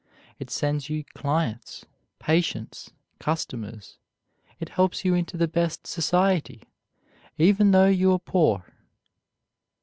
It sends you clients, patients, customers. It helps you into the best society, even though you are poor.